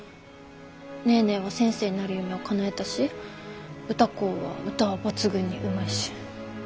ネーネーは先生になる夢をかなえたし歌子は歌は抜群にうまいし。